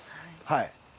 はい。